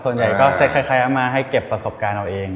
ส่วนใหญ่ก็จะคล้ายเอามาให้เก็บประสบการณ์เอาเอง